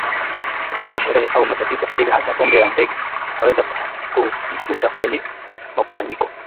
wakati wa sherehe au matatizo Aidha hata pombe ya mbege utaweza kuikuta kwenye makusanyiko